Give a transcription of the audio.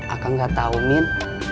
akang gak tau min